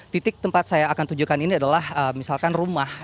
titik tempat saya akan tunjukkan ini adalah misalkan rumah